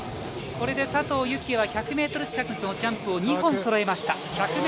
これで佐藤幸椰は１００ｍ近くのジャンプを２本飛びました。